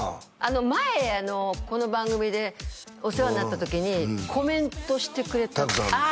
前この番組でお世話になった時にコメントしてくれたああ